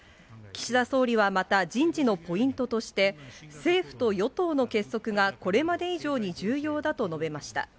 岸田総理はまた、人事のポイントとして、政府と与党の結束がこれまで以上に重要だと述べました。